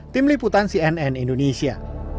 tim liputan cnn indonesia